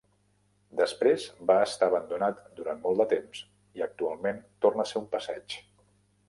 Després va estar abandonat durant molt de temps i actualment tornar a ser un passeig.